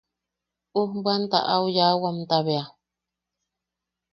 Ujbwanta au yaʼawakamta bea.